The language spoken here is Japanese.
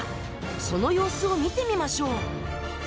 その様子を見てみましょう。